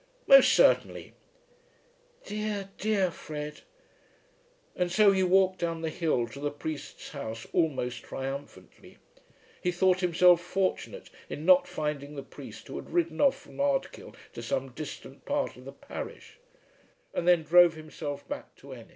"Most certainly." "Dear, dear Fred." And so he walked down the hill to the priest's house almost triumphantly. He thought himself fortunate in not finding the priest who had ridden off from Ardkill to some distant part of the parish; and then drove himself back to Ennis.